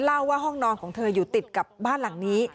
เล่าว่าห้องนอนของเธออยู่ติดกับบ้านหลังนี้